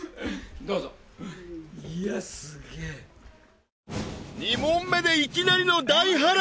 どうぞいやすげえ２問目でいきなりの大波乱